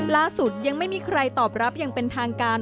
ยังไม่มีใครตอบรับอย่างเป็นทางการ